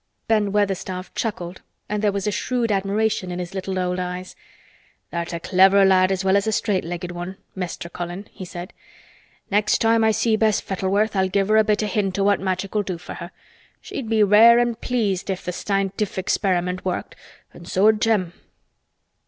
Ben Weatherstaff chuckled and there was shrewd admiration in his little old eyes. "Tha'rt a clever lad as well as a straight legged one, Mester Colin," he said. "Next time I see Bess Fettleworth I'll give her a bit of a hint o' what Magic will do for her. She'd be rare an' pleased if th' sinetifik 'speriment worked—an' so 'ud Jem."